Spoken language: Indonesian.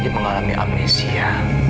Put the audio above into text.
dia mengalami amnesia